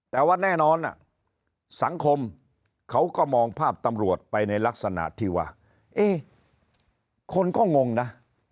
แต่ว่าแน่นอนสังคมเขาก็มองภาพตำรวจไปในลักษณะที่ว่าคนก็งงนะ